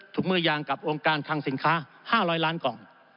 เมื่อยางกับองค์การคังสินค้า๕๐๐ล้านกล่อง